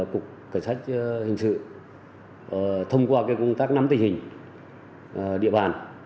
cục cảnh sát hình sự thông qua công tác nắm tình hình địa bàn